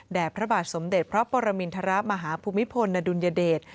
พระบาทสมเด็จพระปรมินทรมาฮภูมิพลอดุลยเดช